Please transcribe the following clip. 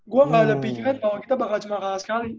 gue gak ada pikiran bahwa kita bakal cuma kalah sekali